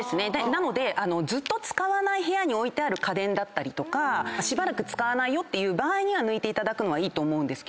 なのでずっと使わない部屋に置いてある家電だったりとかしばらく使わないという場合には抜いていただくのはいいと思う。